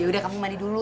yaudah kamu mandi dulu